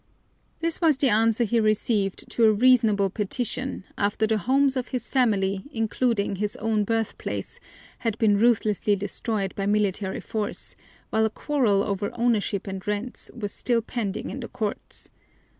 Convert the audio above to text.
This was the answer he received to a reasonable petition after the homes of his family, including his own birthplace, had been ruthlessly destroyed by military force, while a quarrel over ownership and rents was still pending in the courts.